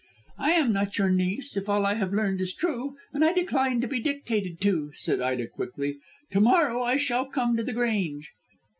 "I am not your niece, if all I have learned is true, and I decline to be dictated to," said Ida quickly. "To morrow I shall come to The Grange."